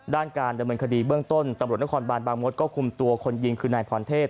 ด้านการดำเนินคดีเบื้องต้นตำรวจนครบานบางมศก็คุมตัวคนยิงคือนายพรเทพ